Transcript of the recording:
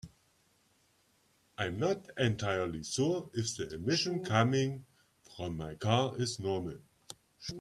I'm not entirely sure if the emission coming from my car is normal.